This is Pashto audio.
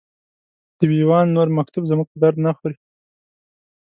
د وي ویان نور مکتوب زموږ په درد نه خوري.